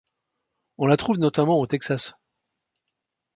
On la trouve notamment au Texas.